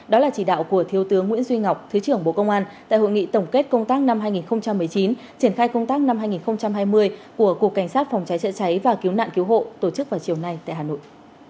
đó là chỉ đạo của thiếu tướng nguyễn duy ngọc thứ trưởng bộ công an tại hội nghị tổng kết công tác năm hai nghìn một mươi chín triển khai công tác năm hai nghìn hai mươi của cục cảnh sát phòng cháy chữa cháy và cứu nạn cứu hộ tổ chức vào chiều nay tại hà nội